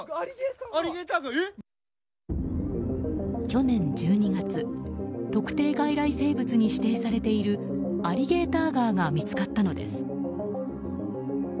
去年１２月特定外来生物に指定されているアリゲーターガーが見つかったのです。